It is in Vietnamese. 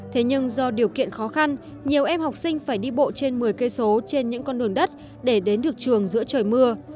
thế nhưng do điều kiện khó khăn nhiều em học sinh phải đi bộ trên một mươi km trên những con đường đất để đến được trường giữa trời mưa